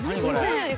これ。